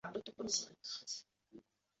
此出入口只设北行出口与南行入口。